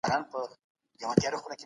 ور ږغ چي ژر سه څه کړې